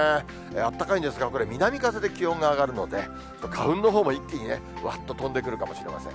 あったかいんですが、これ、南風で気温が上がるので、花粉のほうも一気にね、うわっと飛んでくるかもしれません。